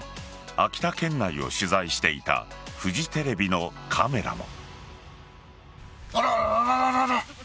秋田県内を取材していたフジテレビのカメラも。